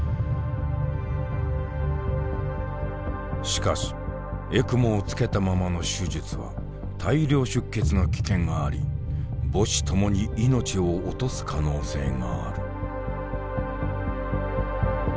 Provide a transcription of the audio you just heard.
しかしＥＣＭＯをつけたままの手術は大量出血の危険があり母子ともに命を落とす可能性がある。